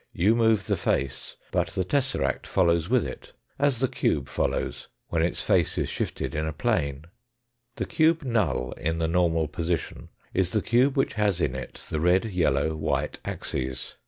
You move the face but the tesseract follows with it, as the cube follows when its face is shifted in a plane. The cube null in the normal position is the cube which has in it the red, yellow, white axes.